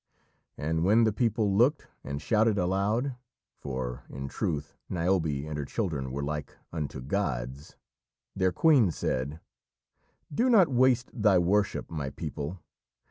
And when the people looked, and shouted aloud, for in truth Niobe and her children were like unto gods, their queen said, "Do not waste thy worship, my people.